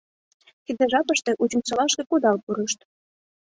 Тиде жапыште Учимсолашке кудал пурышт.